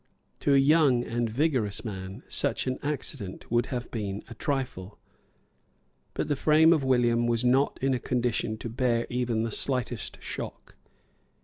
To a young and vigorous man such an accident would have been a trifle. But the frame of William was not in a condition to bear even the slightest shock.